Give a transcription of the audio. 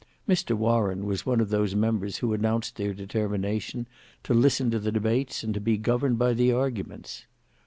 Mr Warren was one of those members who announced their determination to listen to the debates and to be governed by the arguments.